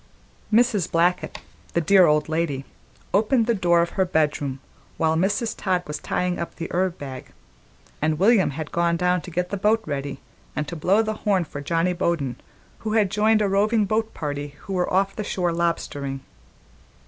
Mrs. Blackett, the dear old lady, opened the door of her bedroom while Mrs. Todd was tying up the herb bag, and William had gone down to get the boat ready and to blow the horn for Johnny Bowden, who had joined a roving boat party who were off the shore lobstering.